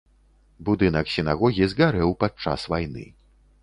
Будынак сінагогі згарэў падчас вайны.